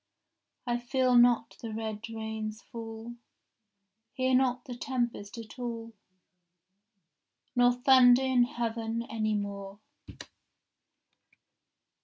— I feel not the red rains fall, Hear not the tempest at all, Nor thunder in heaven any more.